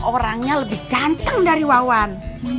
orangnya lebih ganteng dari wawan